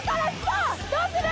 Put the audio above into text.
どうする？